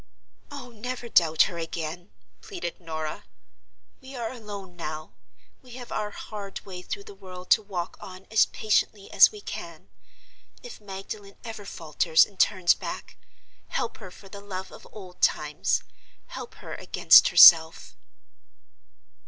"Oh, never doubt her again!" pleaded Norah. "We are alone now—we have our hard way through the world to walk on as patiently as we can. If Magdalen ever falters and turns back, help her for the love of old times; help her against herself."